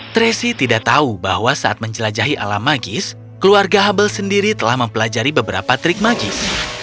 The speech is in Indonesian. tracy tidak tahu bahwa saat menjelajahi alam magis keluarga hubble sendiri telah mempelajari beberapa trik magis